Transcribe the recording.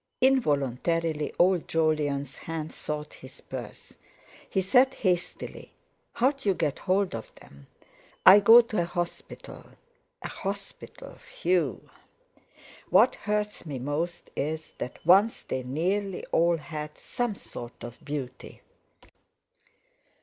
Involuntarily old Jolyon's hand sought his purse. He said hastily: "How d'you get hold of them?" "I go to a hospital." "A hospital! Phew!" "What hurts me most is that once they nearly all had some sort of beauty."